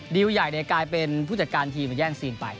ใหญ่กลายเป็นผู้จัดการทีมแย่งซีนไป